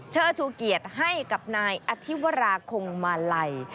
เชิดชูเกียรติให้กับนายอธิวราคงมาลัย